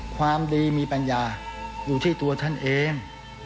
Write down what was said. ความดีมีปัญญาอยู่ที่ตัวท่านเอง